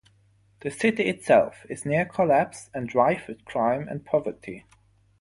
The City itself is near collapse and rife with crime and poverty.